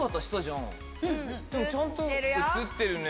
ちゃんと写ってるね。